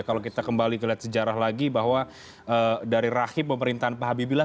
kalau kita kembali kelihatan sejarah lagi bahwa dari rahim pemerintahan pak habibie lah